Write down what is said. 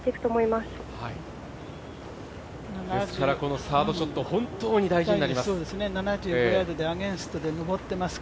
ですからこのサードショットとても大事になってきます。